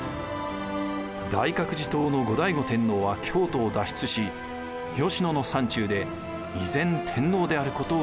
大覚寺統の後醍醐天皇は京都を脱出し吉野の山中で依然天皇であることを主張しました。